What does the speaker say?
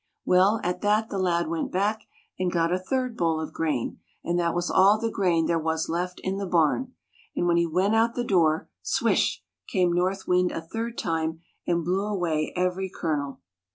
Well, at that the lad went back and got a third bowl of grain, and that was all the grain there was left in the barn. And when he went out the door — swish — came North Wind a third time, and blew away every kernel.